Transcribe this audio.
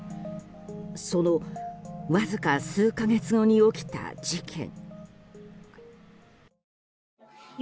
そのわずか数か月後に起きた事件。